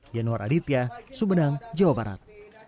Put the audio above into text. yanuar aditya sumedang jawa barat